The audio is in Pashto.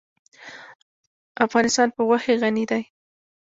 افغانستان په غوښې غني دی.